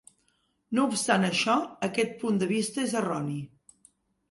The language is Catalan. No obstant això, aquest punt de vista és erroni.